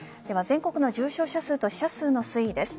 全国の重症者数と死者数の推移です。